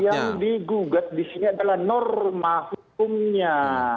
tetapi yang digugat di sini adalah normah hukumnya